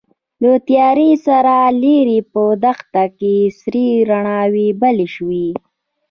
له تيارې سره ليرې په دښته کې سرې رڼاوې بلې شوې.